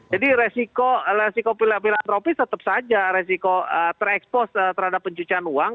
jadi resiko filantropis tetap saja resiko terekspos terhadap pencucian uang